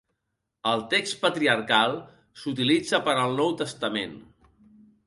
El Text Patriarcal s'utilitza per al Nou Testament.